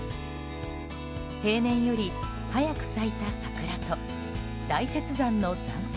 平年より早く咲いた桜と大雪山の残雪。